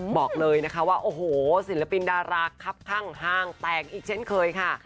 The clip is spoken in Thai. บอกเลยนะคะว่าโอ้โหศิลปินดาราคับข้างห้างแตกอีกเช่นเคยค่ะ